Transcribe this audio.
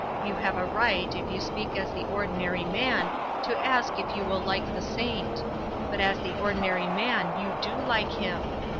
You have a right, if you speak as the ordinary man, to ask if you will like the saint. But as the ordinary man you do like him.